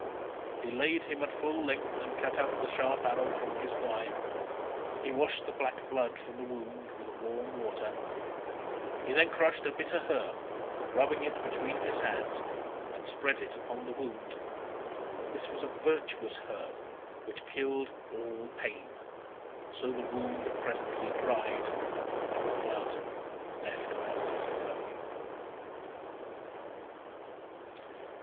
He laid him at full length and cut out the sharp arrow from his thigh; he washed the black blood from the wound with warm water; he then crushed a bitter herb, rubbing it between his hands, and spread it upon the wound; this was a virtuous herb which killed all pain; so the wound presently dried and the blood left off flowing.